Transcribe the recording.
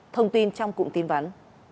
thông tin trong cụm tin vắn